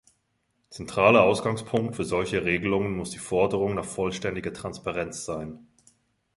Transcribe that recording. Zentraler Ausgangspunkt für solche Regelungen muss die Forderung nach vollständiger Transparenz sein.